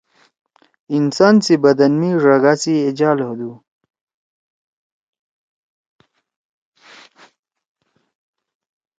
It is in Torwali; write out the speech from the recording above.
انسان سی بدن می ڙَگا سی اے جال ہودُو۔